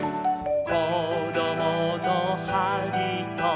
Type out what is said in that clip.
「こどものはりと」